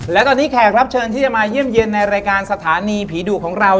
และตอนนี้แขกรับเชิญที่จะมาเยี่ยมเยี่ยมในรายการสถานีผีดุของเรา